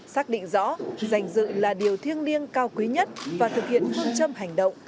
xác định rõ danh dự là điều thiêng liêng cao quý nhất và thực hiện phương châm hành động